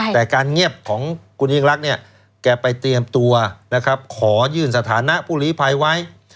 แต่การเงียบของคุณยิ่งรักเนี่ยแกไปเตรียมตัวนะครับขอยื่นสถานะผู้หลีภัยไว้